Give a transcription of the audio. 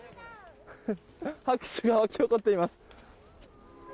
拍手が沸き起こっています。